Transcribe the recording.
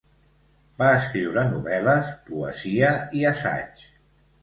Va escriure novel·les, poesia i assaig.